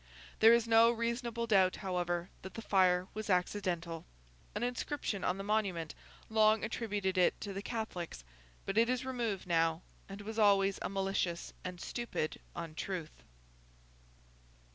There is no reasonable doubt, however, that the fire was accidental. An inscription on the Monument long attributed it to the Catholics; but it is removed now, and was always a malicious and stupid untruth.